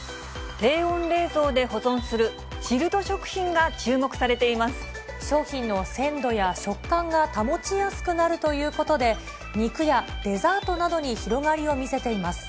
低温冷蔵で保存するチルド食商品の鮮度や食感が保ちやすくなるということで、肉やデザートなどに広がりを見せています。